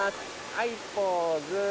はいポーズ。